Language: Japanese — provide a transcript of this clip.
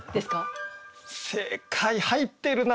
正解入ってるな。